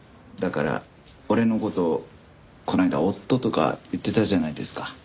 だから俺の事この間夫とか言ってたじゃないですか。